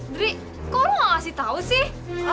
diri kok lo gak ngasih tau sih